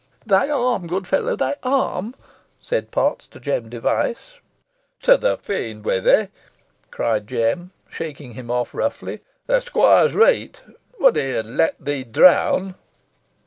"Thy arm, good fellow, thy arm!" said Potts, to Jem Device. "To the fiend wi' thee," cried Jem, shaking him off roughly. "The squoire is reet. Wouldee had let thee drown."